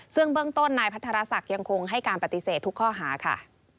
ซึ่งเบื้องต้นนายพัทรศักดิ์ยังคงให้การปฏิเสธทุกข้อหาค่ะ